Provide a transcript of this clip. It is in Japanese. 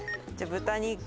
豚肉